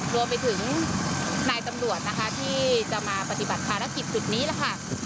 รวมไปถึงนายตำรวจนะคะที่จะมาปฏิบัติภารกิจจุดนี้แหละค่ะ